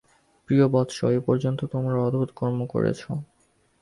প্রিয় বৎস, এ পর্যন্ত তোমরা অদ্ভুত কর্ম করেছ।